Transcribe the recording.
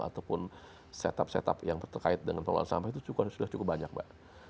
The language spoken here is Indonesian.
ataupun setup setup yang terkait dengan pengelolaan sampah itu sudah cukup banyak mbak